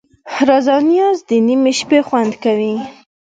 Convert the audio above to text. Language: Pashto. راز او نیاز د نیمې شپې خوند کوي.